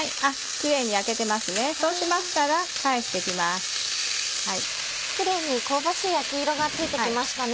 キレイに香ばしい焼き色がついて来ましたね。